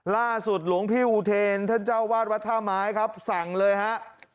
หลวงพี่อุเทรนท่านเจ้าวาดวัดท่าไม้ครับสั่งเลยฮะ